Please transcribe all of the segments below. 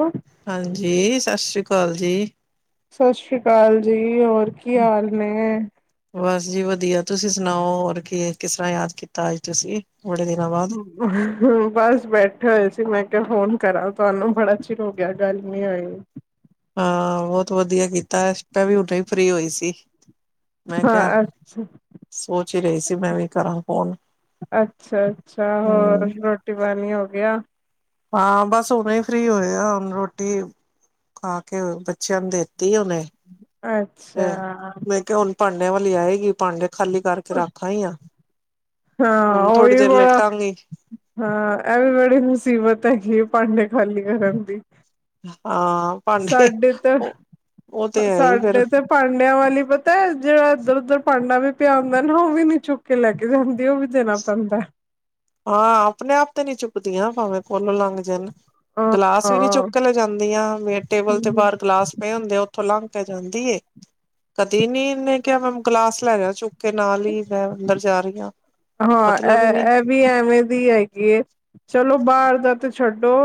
ਓ ਹਾਂਜੀ, ਸਤਿ ਸ੍ਰੀ ਕਾਲ ਜੀ। ਸਤਿ ਸ੍ਰੀ ਅਕਾਲ ਜੀ। ਜੀ ਹੋਰ ਕੀ ਹਾਲ ਨੇ। ਬਸ ਜੀ ਵਧੀਆ ਤੁਸੀਂ ਸੁਣਾਓ ਹੋਰ ਕੀ, ਕਿਸ ਤਰ੍ਹਾਂ ਯਾਦ ਕੀਤਾ ਅੱਜ ਤੁਸੀਂ। ਬੜੇ ਦਿਨਾਂ ਬਾਅਦ ਬੱਸ ਬੈਠੇ ਹੋਏ ਮੈਂ ਕਿਹਾ ਫੋਨ ਕਰਾਂ ਤੁਹਾਨੂੰ ਬੜਾ ਚਿਰ ਹੋ ਗਿਆ ਗੱਲ ਨੀ ਹੋਈ। ਹਾਂ ਬਹੁਤ ਵਧੀਆ ਕੀਤਾ, ਇਸ ਟਾਈਮ ਵੀ ਹੁਨੇ ਹੀ ਫਰੀ ਹੋਈ ਸੀ। ਮੈਂ ਹਾਂ ਕਿਹਾ ਅੱਛਾ, ਸੋਚ ਹੀ ਰਹੀ ਸੀ ਮੈਂ ਵੀ ਕਰਾਂ ਫੋਨ ਅੱਛਾ- ਅੱਛਾ ਹੋਰ ਹੂੰ, ਰੋਟੀ- ਪਾਣੀ ਹੋ ਗਿਆ। ਹਾਂ ਬਸ ਹੁਨੇ ਹੀ ਫ੍ਰਰੀ ਹੋਏ ਆ, ਹੁਣ ਰੋਟੀ ਖਾ ਕੇ ਬੱਚਿਆਂ ਨੂੰ ਦੇਤੀ ਹੁਨੇ। ਅੱਛਾ। ਭਾਂਡਿਆਂ ਵਾਲੀ ਆਏਗੀ ਭਾਂਡੇ ਖਾਲੀ ਕਰਕੇ ਰੱਖ ਆਈ ਆ। ਹਾਂ ਹੁਣ ਥੋੜ੍ਹੀ ਉਹੀ ਦੇਰ ਬੜਾ ਲੇਟਾਂਗੀ ਹਾਂ ਇਹ ਵੀ ਬੜੀ ਮੁਸੀਬਤ ਹੈਗੀ ਹੈ ਪਾਂਡੇ ਖਾਲੀ ਕਰਨ ਦੀ ਹਾਂ ਭਾਂਡੇ ਸਾਡੇ ਤਾਂ ਉਹ ਉਹ ਤੇ ਹੈ ਹੀ ਫੇਰ ਸਾਡੇ ਤੇ ਭਾਂਡਿਆਂ ਵਾਲੀ ਪਤਾ ਹੈ ਜਿਹੜਾ ਇੱਧਰ ਉਧਰ ਭਾਂਡਾ ਵੀ ਪਿਆ ਹੁੰਦਾ ਨਾ ਉਹ ਵੀ ਨੀ ਚੁੱਕ ਕੇ ਲੈ ਕੇ ਜਾਂਦੀ ਉਹ ਵੀ ਦੇਣਾ ਪੈਂਦਾ ਕਦੀਆਂ ਭਾਵੇਂ ਕੋਲ ਲੰਘ ਜਾਂਣ ਗਿਲਾਸ ਵੀ ਨੀ ਹਾਂ। ਚੁੱਕ ਲੈ ਜਾਂਦੀਆਂ ਵੀੇ ਟੇਬਲ ਤੇ ਬਾਹਰ ਗਲਾਸ ਪਏ ਹੁੰਦੇ ਆ ਉੱਥੋਂ ਲੰਘ ਪੈ ਜਾਂਦੀ ਏ। ਕਦੇ ਨੀ ਇਹਨੇ ਕਿਹਾ ਮੈ ਗਲਾਸ ਲੈ ਜਾ ਚੁੱਕ ਕੇ ਨਾਲ ਹੀ ਮੈਂ ਅੰਦਰ ਜਾ ਰਹੀ ਹਾਂ ਹਾਂ ਮਤਲਬ ਹੀ ਇਹ ਨਹੀਂ ਇਹ ਵੀ ਐਵੇਂ ਦੀ ਹੈਗੀ ਆ। ਚਲੋ ਬਾਹਰ ਦਾ ਤੇ ਛੱਡੋ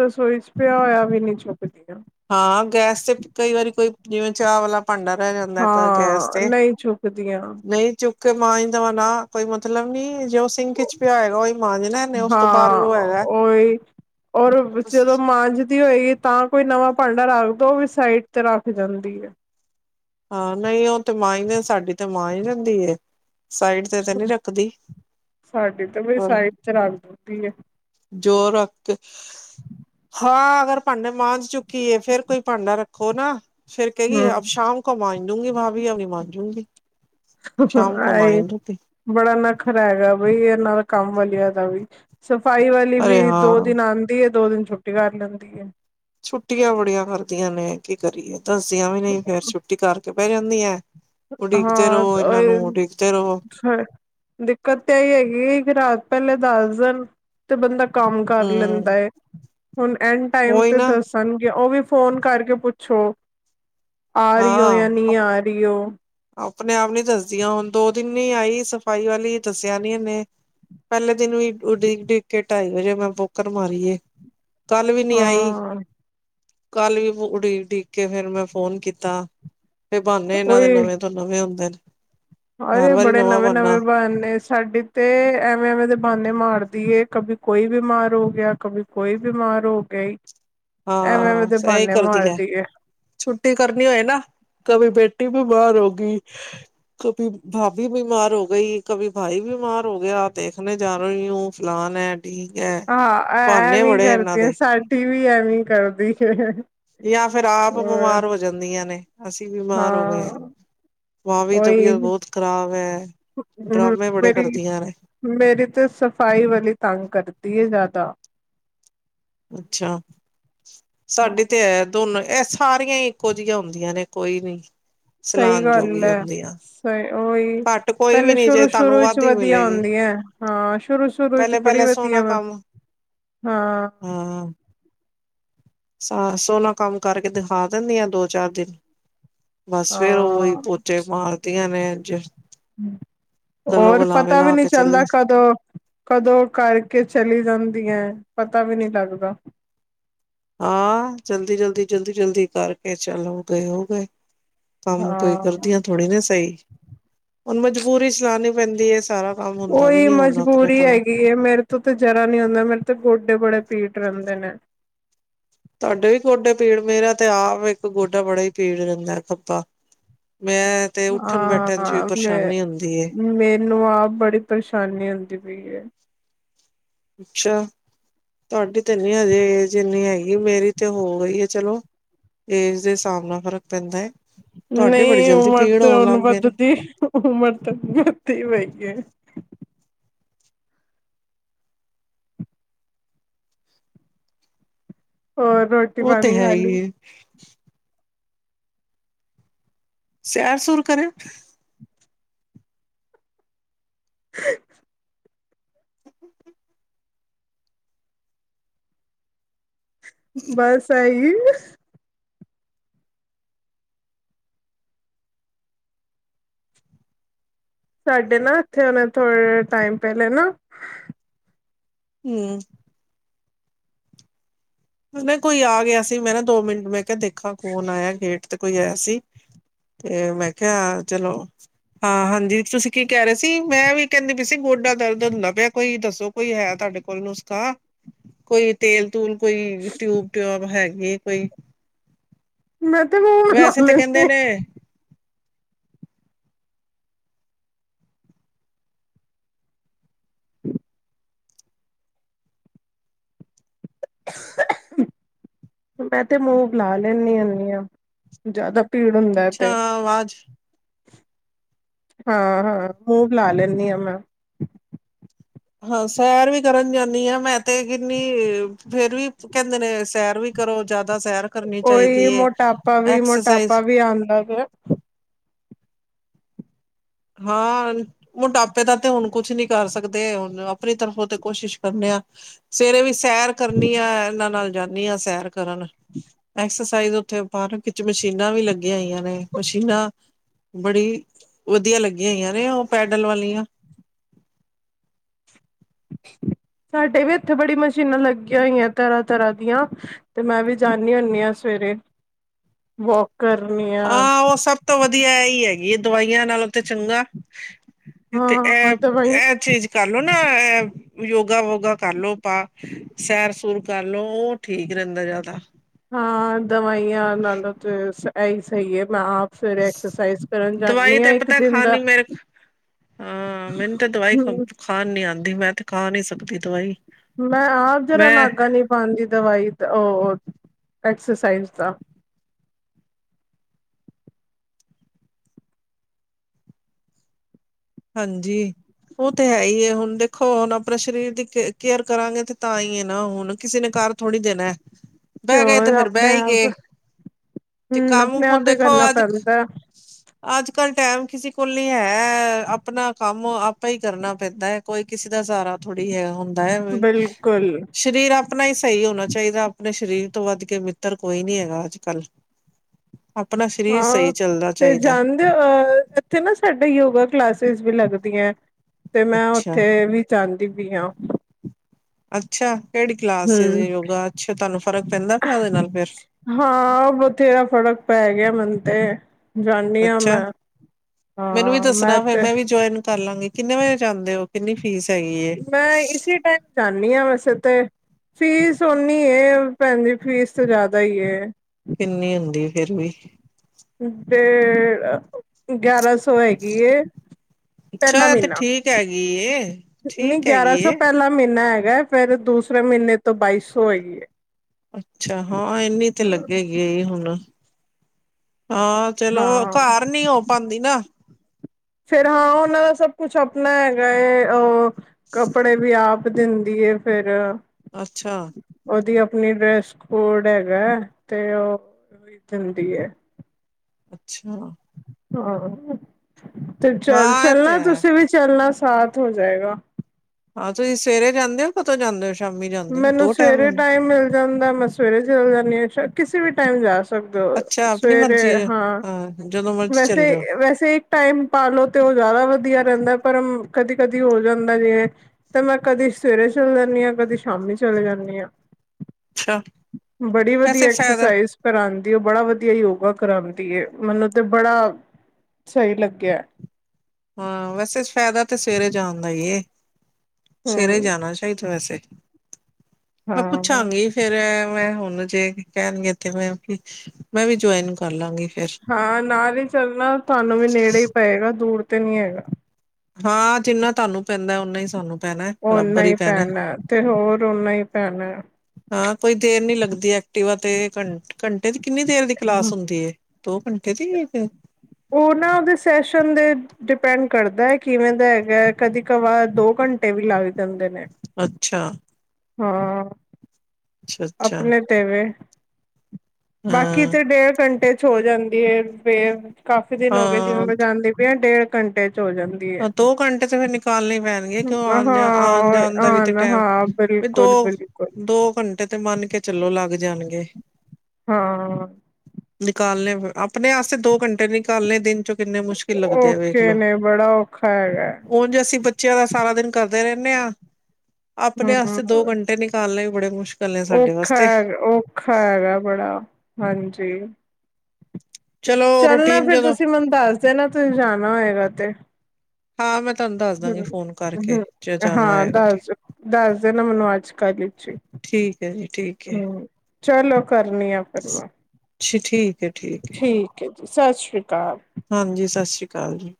ਰਸੋਈ ਚ ਪਿਆ ਹੋਇਆ ਵੀ ਨੀ ਚੁੱਕਦੀਆਂ। ਹਾਂ, ਗੈਸ ਤੇ ਕਈ ਵਾਰੀ ਕੋਈ ਜਿਵੇਂ ਚਾਹ ਵਾਲਾ ਭਾਂਡਾ ਰਹਿ ਜਾਂਦਾ ਹੈ ਗੈਸ ਹਾਂ ਨਹੀਂ ਝੁੱਕਦੀਆਂ ਕਿ ਮਾਂਜ਼ ਦੇਵਾ ਨਾ ਕੋਈ ਮਤਲਬ ਨੀ ਜੋ ਸਿੰਕ ਚ ਪਿਆ ਹੈਗਾ ਹੀ ਮਾਂਜਨਾ ਉਸ ਤੋਂ ਬਾਅਦ ਹਾਂ ਜੋ ਹੈਗਾ ਉਹੀ ਓਸ ਦੀ ਹੋਏਗੀ ਤਾਂ ਕੋਈ ਨਵਾਂ ਭਾਂਡਾ ਰੱਖਦ ਉਹ ਵੀ ਸਾਈਡ ਤੇ ਰੱਖ ਜਾਂਦੀ ਆ। ਹਾਂ ਨਹੀਂ ਉਹ ਤੇ ਮਾਂਜਦੀ ਸਾਡੀ ਤੇ ਮਾਂਜ ਦਿੰਦੀ ਏ ਸਾਈਡ ਤੇ ਤੇ ਨੀ ਸਾਡ ਰੱਖਦੀ ਸਾਡੀ ਤੇ ਬਈ ਪਰ ਸਾਈਡ ਚ ਰਖ ਦਿੰਦੀ ਏ। ਜੋ ਰੱਖ ਕੇ, ਹਾਂ ਜੋ ਅਗਰ ਭਾਂਡੇ ਮਾਂਝ ਚੁੱਕੀ ਏ ਫੇਰ ਕੋਈ ਭਾਂਡਾ ਰੱਖੋ ਨਾ ਫਿਰ ਕਹੇਗੀ ਅਬ ਹਮ ਸ਼ਾਮ ਮਾਂਜੂਗੀ ਭਾਬੀ ਅਭੀ ਮਾਂਜੂਗੀ ਸ਼ਾਮ ਕੋ ਮਾਂਜ ਆਏ ਲੂੰਗੀ ਬੜਾ ਨਖਰਾ ਹੈਗਾ ਬਈ ਏਹ ਨਾਂ ਦਾ ਕੰਮ ਵਧੀਆ ਦਾ ਵੀ ਸਫ਼ਾਈ ਵਾਲੀ ਅਰੇ ਵੀ ਦੋ ਹਾਂ ਦਿਨ ਆਉਂਦੀ ਹੈ ਦੋ ਦਿਨ ਛੁੱਟੀ ਕਰ ਲੈਂਦੀ ਹੈ। ਛੁੱਟੀਆਂ ਬੜੀਆਂ ਕਰਦੀਆਂ ਨੇ ਕੀ ਕਰੀਏ। ਦੱਸਦੀਆਂ ਵੀ ਨਹੀਂ ਹੈ ਫੇਰ ਛੁੱਟੀ ਕਰ ਕੇ ਪੈ ਜਦੀਆ ਹਾਂ ਤਾਂ ਇਹ ਰਹੋ ਸ ਦਿੱਕਤ ਤਾਂ ਆਹੀ ਹੈਗੀ ਰਾਤ ਪਹਿਲੇ ਦੱਸ ਦੇਣ ਤੇ ਬੰਦਾ ਕੰਮ ਕਰ ਹਮ ਲੈਂਦਾ ਏ। ਹੁਣ ਐਂਡ ਟਾਈਮ ਉਹੀ ਤੇ ਨਾ ਦੱਸਣਗੇ ਉਹ ਵੀ ਫ਼ੋਨ ਕਰਕੇ ਪੁੱਛੋ। ਆ ਰਹੀਓ ਜਾਂ ਹਾਂ ਨਹੀਂ ਆ ਰਹੀਓ? ਆਪਣੇ ਆਪ ਨੀ ਦੱਸਦੀਆਂ ਹੁਣ ਦੋ ਦਿਨ ਹੀ ਆਈ ਸਫ਼ਾਈ ਵਾਲੀ ਦੱਸਿਆ ਨੀ ਇਹਨੇ ਪਹਿਲੇ ਦਿਨ ਵੀ ਊਡੀਕ ਊਡੀਕ ਕੇ ਢਾਈ ਵਜੇ ਮੈਂ ਬੌਕਰ ਮਾਰੀ ਏ। ਕੱਲ ਵੀ ਨੀ ਆਈ। ਹਾਂ ਕੱਲ ਵੀ ਉਡੀਕ ਉਡੀਕ ਕੇ ਫੇਰ ਮੈਂ ਫੋਨ ਕੀਤਾ। ਫ ਬਾਨੇ ਇਹਨਾਂ ਦੇ ਨਵੇਂ ਵੇਂ ਹੁੰਦੇ ਨੇ। ਹਰ ਹਰੇ ਵਾਰੀ ਬੜੇ ਨਵਾਂ ਨਵੇਂ ਬਹਾਨਾ ਨਵੇਂ ਬਹਾਨੇ ਸਾਡੇ ਤੇ ਐਵੇਂ ਐਵੇਂ ਦੇ ਬਹਾਨੇ ਮਾਰ ਦੀ ਕਭੀ ਕੋਈ ਬਿਮਾਰ ਹੋ ਗਿਆ ਕਭੀ ਕੋਈ ਬਿਮਾਰ ਹੋ ਗਈ। ਐਵੇਂ ਐਵੇਂ ਹਾਂ ਦੇ ਸਹੀ ਬਹਾਨੇ ਕਰਦੀ ਹੈ ਮਾਰਦੀ ਏ ਛੁੱਟੀ ਕਰਨੀ ਹੋਏ ਨਾ ਕ ਪੇ ਰੁਟੀ ਬਿਮਾਰ ਹੋ ਗਈ [inaudible] ਕਭੀ ਭਾਭੀ ਬਿਮਾਰ ਹੋ ਗਈ ਕਭੀ ਭਾਈ ਬਿਮਾਰ ਹੋ ਗਿਆ ਦੇਖਣੇ ਜਾ ਰਹੀ ਹੂੰ ਫਲਾਨ ਹੈ। ਢੀਂਗ ਹੈ ਹਾਂ ਐ ਬਹਾਨੇ ਐਵੇਂ ਬੜੇ ਇਹਨਾਂ ਕਰਦੀ ਹ ਦੇ ਸਾਡੀ ਵੀ ਐਵੇਂ ਕਰਦੀ ਹੈ। [inaudible] ਯਾਂ ਫੇਰ ਆਪ ਹੋਰ ਬਿਮਾਰ ਹੋ ਜਾਂਦੀਆਂ ਨੇ। ਅਸੀਂ ਬਿਮਾਰ ਹੋ ਗਏ ਹਾਂ ਭਾਬੀ ਉਹੀ ਤਬੀਅਤ ਬਹੁਤ ਖ਼ਰਾਬ ਹੈ ਡਰਾਮੇ ਬੜੇ ਮੇਰੀ ਕਰਦੀਆਂ ਨੇ ਮੇਰੀ ਤੇ ਸਫ਼ਾਈ ਵਾਲੀ ਤੰਗ ਕਰਦੀ ਏ ਜ਼ਿਆਦਾ। ਅੱਛਾ, ਸਾਡੀੇ ਤੇ ਹੈ ਦੋਨੋ ਏਸ ਸਾਰੀਆਂ ਹੀ ਇੱਕੋ ਜਿਹੀਆਂ ਹੁੰਦੀਆਂ ਨੇ ਕੋਈ ਨੀ ਸਹੀ ਸਲਾਨ ਗੱਲ ਜੋਗੀ ਐ ਹੁੰਦੀਆਂ ਸ ਓਹੀ ਘੱਟ ਕੋਈ ਵੀ ਪਹਿਲੇ ਨੀ ਜੇ ਸ਼ੁਰੂ ਤੁਹਾਨੂੰ ਸ਼ੁਰੂ 'ਚ ਵੱਧ ਹੀ ਵਧੀਆ ਮਿਲੇਗੀ ਆਉਂਦੀਆਂ ਐਂ ਹਾਂ ਸ਼ੁਰੂ ਸ਼ੁਰੂ 'ਚ ਪਹਿਲੇ ਬੜੀ ਪਹਿਲੇ ਵਧੀਆ ਸੋਹਣਾ ਵਾ ਕੰਮ ਹਾਂ। ਹਾਂ ਸ ਸੋਹਨਾ ਕੰਮ ਕਰਕੇ ਦਿਖਾ ਦਿੰਦੀਆਂ ਦੋ ਚਾਰ ਦਿਨ। ਬਸ ਫੇਰ ਉਹੀ ਹਾਂ ਪੋਚੇ ਮਾਰਦੀਆਂ ਨੇ। ਜਸ ਹੋਰ ਪਤਾ ਵੀ ਲਾ ਨਹੀਂ ਕੇ ਚੱਲਦਾ ਚਲੇ ਕਦੋਂ ਕਦੋਂ ਕਰਕੇ ਚਲੀ ਜਾਂਦੀਐ। ਪਤਾ ਵੀ ਨਹੀ ਲੱਗਦਾ। ਹਾਂ ਜਲਦੀ- ਜਲਦੀ -ਜਲਦੀ -ਜਲਦੀ ਕਰਕੇ ਚੱਲ ਓ ਗਏ ਓ ਗਏ। ਕੰਮ ਕੋਈ ਹਾਂ ਕਰਦੀਆਂ ਥੋੜੀ ਨਾ ਸਹੀ। ਹੁਣ ਮਜਬੂਰੀ 'ਚ ਲਾਣੀ ਪੈਂਦੀ ਏ ਸਾਰਾ ਕੰਮ ਹੁੰਦਾ ਵੀ ਉਹੀ ਨੀ ਹੁਣ ਆਪਣੇ ਮਜਬੂਰੀ ਕੋਲੋਂ ਹੈਗੀ ਏ, ਮੇਰੇ ਤੋਂ ਤੇ ਜਰਾ ਨੀ ਹੁੰਦਾ ਮੇਰੇ ਤੇ ਗੋਡੇ ਬੜੇ ਪੀੜ ਰਹਿੰਦੇ ਨੇ। ਤੁਹਾਡੇ ਵੀ ਗੋਡੇ ਪੀੜ ਮੇਰਾ ਤੇ ਆਪ ਇੱਕ ਗੋਡਾ ਬੜਾ ਹੀ ਪੀੜ ਰਿੰਦਾ ਏ ਖੱਬਾ। ਮੈਂ ਤੇ ਉੱਠਣ ਬੈਠਣ ਚ ਵੀ ਹਾਂ ਪਰੇਸ਼ਾਨੀ ਹੁੰਦੀ ਏ ਮ ਮੈਨੂੰ ਆਪ ਬੜੀ ਪਰੇਸ਼ਾਨੀ ਹੁੰਦੀ ਪਈ ਏ। ਅੱਛਾ। ਤੁਹਾਡੀ ਤੇ ਨੀ ਹਜੇ ਏਜ ਇਨੀ ਹੈਗੀ। ਮੇਰੀ ਤੇ ਹੋ ਗਈ ਹੈ ਚਲੋ ਏਜ ਦੇ ਸਾਬ ਨਾਲ ਫ਼ਰਕ ਪੈਂਦਾਂ। ਨਹੀਂ ਉਮਰ ਤੇ ਹੁਣ ਗਏ ਨੇ ਵੱਧਦੀ ਉਮਰ ਤਾਂ ਵੱਧਦੀ ਪਈ ਏ। ਹੋਰ ਰੋਟੀ ਉਹ ਤੇ ਪਾਣੀ ਹੈ ਖਾ ਹੀ ਲੀ। ਏ ਸੈਰ ਸੂਰ ਕਰਣ [inaudible] ਬਸ ਐਹੀ ਈ ਸਾਡੇ ਨਾ ਇੱਥੇ ਹੁਣੇ ਥੋੜੇ ਟਾਈਮ ਪਹਿਲੇ ਨਾ ਹਮ। ਕੋਈ ਨ ਆ ਗਿਆ ਸੀ ਮੈਂ ਨਾ ਦੋ ਮਿੰਟ ਮੈਂ ਕੇ ਦੇਖਾ ਕੋਨ ਆਇਆ ਏ ਗੇਟ ਤੈ ਤੇ ਕੋਈ ਆਯਾ ਸੀ ਤੇ ਮੈਂ ਕਿਹਾ ਚਲੋ ਹਾਂ ਹਾਂਜੀ ਤੁਸੀਂ ਕੀ ਕਹਿ ਰਹੇ ਸੀ ਮੈਂ ਵੀ ਕਹਿੰਦੀ ਪਈ ਸੀ ਗੋਡਾ ਦਰਦ ਹੁੰਦਾ ਪਿਆ ਕੋਈ ਦੱਸੋ ਕੋਈ ਹੈ ਤੁਹਾਡੇ ਕੋਲ ਨੁਸਖਾ ਕੋਈ ਤੇਲ ਤੂਲ। ਕੋਈ ਟਿਊਬ ਟਓਬ ਹੈਗੀ। ਏ ਕੋਈ ਮੈਂ ਤੇ ਮੂਵ ਲਾ ਵੈਸੇ ਤੇ ਲੈਣੀ ਕਹਿੰਦੇ ਹਾਂ ਨੇ ਮੈਂ ਤੇ ਮੂਵ ਲਾ ਲੈਂਣੀ ਹੁੰਣੀ ਹਾਂ ਜ਼ਿਆਦਾ ਭੀੜ ਹੁੰਦਾ ਅੱਛਾ ਤੇ ਆਵਾਜ਼ ਹਾਂ-ਹਾਂ ਮੂਵ ਲਾ ਲੈਂਣੀ ਹਾਂ ਮੈਂ ਹਾਂ ਸੈਰ ਵੀ ਕਰਨ ਜਾਂਦੀ ਹਾਂ ਮੈਂ ਤੇ ਕਿੰਨੀ ਫੇਰ ਵੀ ਕਹਿੰਦੇ ਨੇ ਸੈਰ ਵੀ ਕਰੋ ਜਿਆਦਾ ਉਹੀ ਮੋਟਾਪਾ ਵੀ ਐਕਸਰਸਾਈਜ਼ ਮੋਟਾਪਾ ਵੀ ਆਂਦਾ ਪਯਾ ਹਾਂ ਮੋਟਾਪੇ ਦਾ ਤੇ ਹੁਣ ਕੁਛ ਨੀ ਕਰ ਸਕਦੇ ਹੁਣ ਆਪਣੀ ਤਰਫੋਂ ਤੇ ਕੋਸ਼ਿਸ਼ ਕਰਨੇ ਆ ਸਵੇਰੇ ਵੀ ਸੈਰ ਕਰਨੀ ਆ ਇਹਨਾਂ ਨਾਲ ਜਾਣੀ ਹਾਂ ਸੈਰ। ਕਰਨ ਐਕਸਰ ਤਾਹੀਂ ਉੱਥੇ ਪਾਰਕ ਚ ਮਸ਼ੀਨਾਂ ਵੀ ਲੱਗ ੀਆਂ ਹੋਇਆਂ ਨੇ ਮਸ਼ੀਨਾਂ ਬੜੀ ਵਧੀਆ ਲੱਗੇ। ਈਆਂ ਨੇ ਉਹ ਪੈਡਲ ਵਾਲੀਆਂ ਸਾਡੇ ਵੀ ਇੱਥੇ ਬੜੀ ਮਸ਼ੀਨਾਂ ਲੱਗੀਆਂ ਹੋਈਆਂ ਤਰ੍ਹਾਂ-ਤਰ੍ਹਾਂ ਦੀਆਂ ਤੇ ਮੈਂ ਵੀ ਜਾਂਣੀ ਹੁੰਣੀ ਹਾਂ ਸਵੇਰੇ ਵੋਕ ਕਰਨੀ ਆ ਆਹ ਉਹ ਸਭ ਤੋਂ ਵਧੀਆ ਇਹੀ ਹੈ। ਇਹ ਦਵਾਈਆਂ ਨਾਲੋ ਤੇ ਚੰਗਾ ਤੇ ਹਾਂ ਇਹ ਦਵਾਈ ਇਹ ਚੀਜ਼ ਕਰਲੋ ਨਾ ਇਹ ਯੋਗਾ ਵੋਗਾ ਕਰਲੋ ਬਾਰ ਸੈਰ ਸੂਰ ਕਰ ਲੋ ਉਹ ਠੀਕ ਰਹਿੰਦਾ ਜ਼ਿਆਦਾ। ਹਾਂ ਦਵਾਈਆਂ ਨਾਲੋ ਤੇ ਸ ਇਹੀ ਸਹੀ ਏ। ਦਵਾਈ ਹਾਂ ਤੇ ਇੱਕ ਪਤਾ ਦਿਨ ਦਾ ਖਾਣ ਨ ਮੇਰੇ ਹਹ ਮੈਨੂੰ ਤਾਂ ਦਵਾਈ ਹੂੰ ਖਾਣ ਨੀ ਆਉਂਦੀ ਮੈਂ ਤੇ ਖਾ ਨਹੀਂ ਸਕਦੀ ਦਵਾਈ ਮੈਂ ਆਪ ਜਦੋਂ ਮੈਂ ਨਾਗਾ ਨੀ ਪਾਉਂਦੀ ਦਵਾਈ ਉਹ ਐਕਸਰਸਾਈਜ਼ ਦਾ ਹਾਂਜੀ ਉਹ ਤੇ ਹੈ ਹੀ ਹੁਣ ਦੇਖੋ ਹੁਣ ਆਪਣੇ ਸਰੀਰ ਦੀ ਕੇਅਰ ਕਰਾਂਗੇ ਤੇ ਤਾਂ ਹੀ ਹੈ ਨਾ ਹੁਣ ਕਿਸੇ ਨੇ ਕਾਰ ਥੋੜ੍ਹੀ ਦੇਣਾ ਤੇ ਬਹਿ ਗਏ ਹੋਰ ਫੇਰ ਆਪਣੇ ਬਹਿ ਹੀ ਆਪ ਗਏ ਤੇ ਹਮ ਕੰਮ ਆਪਣੇ ਹੁਣ ਆਪ ਹੀ ਦੇਖੋ ਕਰਨਾ ਅੱਜ ਪੈਂਦਾ ਹੈ ਅੱਜ ਕੱਲ੍ਹ ਟਾਈਮ ਕਿਸੇ ਕੋਲ ਨੀ ਹੈ ਐ ਅਪ ਕੰਮ ਆਪਈ ਕਰਨਾ ਪੈਂਦਾ ਹੈ ਕੋਈ ਕਿਸੇ ਦਾ ਸਾਰਾ ਥੋੜ੍ਹੀ ਹੈ ਹੁੰਦਾ ਹੈ ਬਿਲਕੁਲ ਸਰੀਰ ਆਪਣਾ ਹੀ ਸਹੀ ਹੋਣਾ ਚਾਹੀਦਾ ਆਪਣੇ ਸਰੀਰ ਤੋਂ ਵੱਧ ਕੇ ਮਿੱਤਰ ਕੋਈ ਨੀ ਹੈਗਾ ਅੱਜ ਕੱਲ ਆਪਣਾ ਸਰੀਰ ਹਾਂ ਸਹੀ ਚੱਲਦਾ ਤੇ ਚਾਹੀਦਾ ਜਾਣਦੇ ਹੋ ਅਹ ਇੱਥੇ ਨਾ ਸਾਡੇ ਯੋਗਾ ਕਲਾਸ ਵੀ ਲੱਗਦੀਆਂ ਤੇ ਹੈ ਮੈਂ ਅੱਛਾ ਉੱਥੇ ਵੀ ਚਾ ਦੀ ਵੀ ਹਾਂ। ਅੱਛਾ। ਕਿਹੜੀ ਕਲਾਸ ਹੂੰ। ਏ ਯੋਗਾ ਅੱਛਾ ਤੁਹਾਨੂੰ ਫਰਕ ਪੈਂਦਾ ਪਿਆ ਉਹਦੇ ਨਾਲ ਫਿਰ। ਹਾਂ ਬਥੇਰਾ ਫ਼ਰਕ ਪੈ ਗਿਆ ਮੰਨੁ ਤੇ। ਜਾਂਦੀ ਹਾਂ ਮੈਂ ਅੱਛਾ, ਮੈਨੂੰ ਵੀ ਹਾਂ ਦੱਸਨਾ ਫੇਰ ਤੇ ਮੈਂ ਵੀ ਜੌਇਨ ਕਰ ਲਾਂਗੀ। ਕਿੰਨੇ ਵਜੇ ਜਾਂਦੇ ਔ ਕਿੰਨੀ ਫੀਸ ਹੈਗੀ ਏ ਮੈਂ ਇਸੀ ਟਾਈਮ ਜਾਂਨੀ ਯਾਂ ਵੈਸੇ ਤੇ। ਫੀਸ ਔਨੀ ਏ ਭੈਨ ਜੀ ਫੀਸ ਤਾਂ ਜਾਦਾ ਈ ਏ। ਕਿੰਨੀ ਹੁੰਦੀ? ਫੇਰ ਵੀ। ਤੇ ਗਿਆਰਾਂ ਸ ਔ ਹੈਗੀ ਅੱਛਾ ਏਪੇਲਾ ਐ ਤੇ ਮਹੀਨਾ, ਠੀਕ ਹੈਗੀ ਏ ਨਈ ਠੀਕ ਹੈਗੀ ਗਿਆਰਾਂ ਸੌ ਏ ਪੇਲਾ ਮਹੀਨਾ ਐ ਹੈ ਫੇਰ ਦੂਸਰੇ ਮਹੀਨੇ ਤੋਂ ਬਾਈ ਸੌ ਹੈਗੀ ਏ। ਅੱਛਾ ਹਾਂ ਏਨੀ ਤੇ ਲੱਗੇ ਗੀ ਈ ਹੁਨ। ਹਾਂ ਚਲੋ ਹਾਂ ਘਰ ਨੀ ਹੋ ਪਾਂਦੀ ਨਾ। ਫੇਰ ਹੋ ਔਨਾਂ ਦਾ ਸਭ ਕੁਛ ਆਪਨਾ ਹੈਗਾ ਏ ਔ, ਕੱਪੜੇ ਵੀ ਆਪ ਦਿੰਦੀ ਏ ਫੇਰ। ਅੱਛਾ। ਉਹਦੀ ਆਪਨੀ ਡਰੈਸ ਕੋਡ ਹੈਗਾ, ਤੇ ਔ ਵੀ ਦਿੰਦੀ ਏ। ਅੱਛਾ। ਹਾਂ। ਤੇ ਚੱਲ ਹਾਂ ਇਹ ਚੱਲਨਾ ਤੇ ਹੈ ਤੁਸੀਂ ਵੀ ਚੱਲਨਾ ਸੀ। ਸਾਥ ਹੋ ਜਾਏਗਾ। ਹਾਂ ਤੁਈ ਸਵੇਰੇ ਜਾਂਦੇ ਔਂ ਕਤੋਂ ਜਾਂਦੇ ਔਂ ਸ਼ ਮੈਨੂੰ ਸਵੇਰੇ ਟਾਈਮ ਮਿਲ ਜਾਂਦਾ ਮੈਂ ਸਵੇਰੇ ਚੱਲੇ ਜਾਨੀ ਆ ਕਿਸੀ ਵੀ ਟਾਈਮ ਜਾ ਸ ਸਕਦੇ ਹੋ ਅੱਛਾ ਆਪਣੀ ਸਵੇਰੇ ਮਰਜ਼ੀ ਹੈ। ਹਾਂ ਜਦੋਂ ਮਰਜ਼ੀ ਚੱਲ ਜਾਓ ਵੈਸੇ, ਵੈਸੇ ਇੱਕ ਟਾਈਮ ਪਾ ਲੋ ਤੇ ਔ ਜਾਦਾ ਵਧੀਆ ਰੇਂਦੈ ਪਰਮ ਕਦੀ-ਕਦੀ ਹੋ ਜਾਂਦਾ ਵੇ ਤਾਂ ਮੈਂ ਕਦੀ ਸਵੇਰੇ ਚੱਲ ਜਾਂਦੀ ਆਂ ਕਦੀ ਸ਼ਾਮੀ ਚਲੇ ਜਾਨੀ ਆ। ਅੱਛਾ ਬੜੀ ਵੈਸੇ ਵਧੀਆ ਫਾਇਦਾ ਐਕਸਰਸਾਈਜ਼ ਕਰਾਂਦੀ ਔ ਬੜਾ ਵਧੀਆ ਯੋਗਾ ਕਰਾਂਦ ਏ ਮੈਨੂੰ ਤੇ ਬੜਾ ਸਈ ਲੱਗੇਆ। ਹਾਂ ਵੈਸੇ ਫ਼ਾਇਦਾ ਤੇ ਸਵੇਰੇ ਜਾਨ ਦਾ ਈ ਏ। ਸਵੇਰੇ ਹਮ ਜਾਨ ਚਾਈਦਾ ਵੈਸੇ। ਮੈਂ ਪੁੱਛਾਂਗੀ ਫੇਰ ਐ ਮੈਂ ਹੁਨ ਮਨੂੰ ਜੇ ਕੈਨਗੇ ਤੇ ਮੈਂ ਕਿ ਮੈਂ ਵੀ ਜੌਇਨ ਕਰ ਲਾਂਗੀ ਫੇਰ ਹਾਂ ਨਾਲ ਈ ਚੱਲਨਾ ਤੁਆਨੂੰ ਵੀ ਨੇੜੇ ਈ ਪਏਗਾ ਦੂਰ ਤੇ ਨਈ ਹੈਗਾ ਹਾਂ ਜਿੰਨਾ ਤਾਨੂੰ ਪੇਂਦੈ ਔਨਾ ਈ ਸਾਨੂੰ ਪੈਨੈ ਓਨਾ ਬਰਾਬਰ ਈ ਹੀ ਪੈਨੈ ਪੈਣਾ ਤੇ ਹੋਰ ਓਨਾ ਹੀ ਪੈਣਾ ਹਾਂ ਕੋਈ ਦੇਰ ਨੀ ਲੱਗਦੀ ਐਕਟੀਵਾ ਤ ਤੇ ਘੰਟ ਘੰਟੇ ਦੀ ਕਿੰਨੀ ਦੇਰ ਦੀ ਕਲਾਸ ਹੁੰਦੀ ਹੈ ਦੋ ਘੰਟੇ ਦੀ ਉਹ ਨਾ ਔਦੇ ਸੈਸ਼ਨ ਦੇ ਡੀਪੈਂਡ ਕਰਦਾ ਕਿਵੇਂ ਦਾ ਹੈਗੈ ਕਦੀ ਕ ਵਾਰ ਦੋ ਘੰਟੇ ਵੀ ਲੱਗ ਜਾਂਦੇ ਨੇ ਅੱਛਾ ਹਾਂ ਅੱਛਾ ਅੱਛਾ ਆਪਨੇ ਤੇ ਵੇ ਬਾਕੀ ਹਾਂ ਤੇੇ ਡੇਢ ਘੰਟੇ ਚ ਹੋ ਜਾਂਦੀ ਏ ਫੇਰ ਕਾਫ਼ੀ ਦਿਨ ਹੋ ਗਏ ਜਿਵੇਂ ਮੈਂ ਹਾਂ ਜਾਂਦੀ ਪੀ ਆਂ ਡੇਢ ਘੰਟੇ ਚ ਹੋ ਜਾਂਦੀ ਹੈ ਦੋ ਘੰਟੇ ਤੇ ਫੇਰ ਨਿਕਾਲਣੇ ਪੈਨਗੇ ਕਿਔਂ ਹਾਂ ਆਂ ਜਾ ਆਨ ਜਾਨ ਦਾ ਵੀ ਤੇ ਹਾਂ ਟੈਮ ਹਾਂ ਵੀ ਦੋ ਬਿਲਕੁਲ ਬਿਲਕੁਲ ਦੋ ਘੰਟੇ ਤੇ ਮੰਨ ਕੇ ਚੱਲੋ ਲੱਗ ਜਾਨਗੇ ਹਾਂ ਆਪਨੇ ਆਸਤੇ ਦੋ ਘੰਟੇ ਨਿਕਾਲਨੇ ਦਿੰਨ ਚੋਂ ਕਿੰਨੇ ਮੁਸ਼ਕਿਲ ਲੱਗਦੇ ਆ ਔਖ਼ੇ ਵੇਖਲੋ ਨੇ ਬੜਾ ਔ ਖਰ ਉਝ [unintelligible] ਅਸੀਂ ਬੱਚਿਆਂ ਦਾ ਸਾਰਾ ਦਿਨ ਕਰਦੇ ਰਹਿੰਦੇ ਆਂ। ਆਪਣੇ ਵਾਸਤੇ ਦੋ ਹਮ ਘੰਟੇ ਨਿਕਾਲ ਲਏ। ਬੜੇ ਮੁਸਕ ਔਖਾ ਹੈ ਔਖਾ ਹੈਗਾ ਬੜਾ ਹਾਂਜੀ। ਚਲੋ ਚੱਲ ਨਾ ਰੂਟੀਨ ਫਿਰ ਜਦੋਂ ਤੁਸੀਂ ਮੈਨੂੰ ਦੱਸਦੇ ਨਾ ਤੁਸੀਂ ਜਾਣਾ ਹੋਏਗਾ ਤੇ ਹਾਂ ਮੈਂ ਤੁਹਾਨੂੰ ਦੱਸ [inaudible] ਦਾਂਗੀ ਹੂੰ ਫੋਨ ਕਰਕੇ -ਹੂੰ ਜੇ ਜਾਣਾ ਹਾਂ ਹੋਏਗਾ ਤੇ ਦੱਸ ਦੱਸ ਦੇ ਨਾ ਮੈਨੂੰ ਅੱਜ ਕੱਲ 'ਚ ਹੀ ਠੀਕ ਹੈ ਜੀ ਠੀਕ ਹੈ ਹੂੰ। ਚਲੋ ਕਰਨੀ ਆ ਫਾਂ [unintelligible] ਠੀਕ ਠੀਕ ਹੈ ਸਤਿ ਸ਼੍ਰੀ ਅਕਾਲ। ਹਾਂਜੀ ਸਤਿ ਸ੍ਰੀ ਅਕਾਲ ਜੀ।